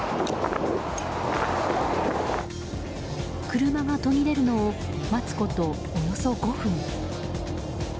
車が途切れるのを待つことおよそ５分。